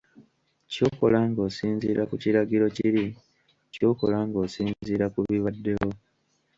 Ky'okola ng'osinziira ku kiragiro kiri, ky'okola ng'osinziira ku bibaddewo.